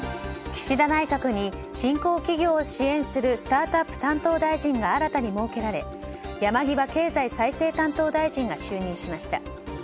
岸田内閣に新興企業を支援するスタートアップ担当大臣が新たに設けられ山際経済再生担当大臣が就任しました。